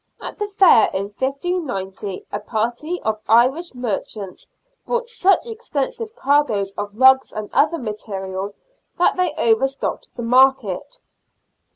At the fair in 1590 a party of Irish merchants brought such extensive cargoes of rugs and other material that they overstocked the market.